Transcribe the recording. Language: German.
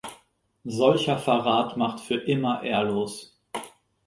Solcher Verrat macht für immer ehrlos.